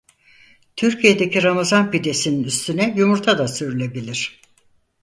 Türkiye'deki Ramazan pidesinin üstüne yumurta da sürülebilir.